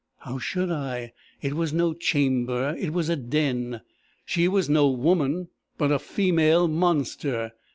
How should I? It was no chamber; it was a den. She was no woman, but a female monster.